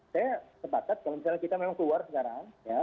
saya sepakat kalau misalnya kita memang keluar sekarang ya